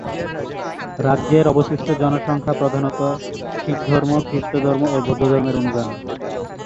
রাজ্যের অবশিষ্ট জনসংখ্যা প্রধানত শিখধর্ম, খ্রিস্টধর্ম ও বৌদ্ধধর্মের অনুগামী।